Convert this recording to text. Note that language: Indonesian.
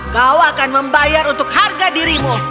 kau akan membayar untuk harga dirimu